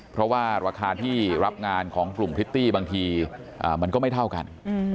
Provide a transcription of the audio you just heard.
เพราะว่าราคาที่รับงานของกลุ่มพริตตี้บางทีมันก็ไม่เท่ากัน